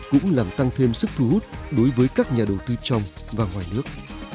cũng làm tăng thêm sức thu hút đối với các nhà đầu tư trong và ngoài nước